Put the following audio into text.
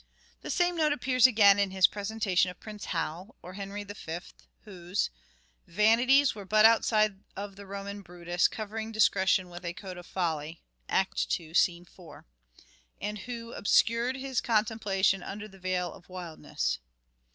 The same note appears again in his presentation of Prince Hal, or Henry V, whose " vanities Were but the outside of the Roman Brutus Covering discretion with a coat of folly " (II, 4) and who " obscured his contemplation under the veil of wildness."